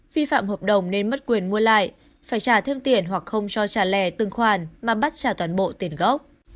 vi phạm hợp đồng nên mất quyền mua lại phải trả thêm tiền hoặc không cho trả lè từng khoản mà bắt trả toàn bộ tiền gốc